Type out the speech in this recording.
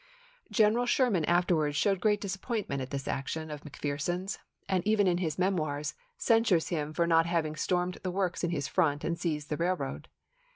General Sherman afterwards showed great dis appointment at this action of McPherson's, and even in his " Memoirs " censures him for not hav ing stormed the works in his front and seized the railroad.